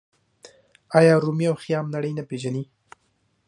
آیا رومي او خیام نړۍ نه پیژني؟